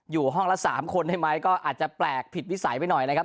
อยู่ห้องละ๓คนได้ไหมก็อาจจะแปลกผิดวิสัยไปหน่อยนะครับ